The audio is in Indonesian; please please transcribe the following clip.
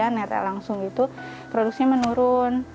netek langsung itu produksi menurun